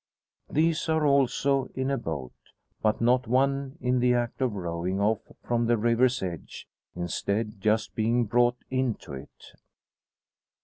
These are also in a boat; but not one in the act of rowing off from the river's edge; instead, just being brought into it.